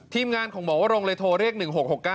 ทีมงานของหมอวรงเลยโทรเรียก๑๖๖๙